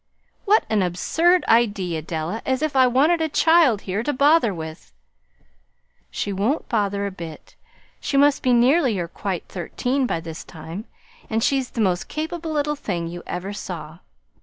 "What an absurd idea, Della! As if I wanted a child here to bother with!" "She won't bother a bit. She must be nearly or quite thirteen by this time, and she's the most capable little thing you ever saw."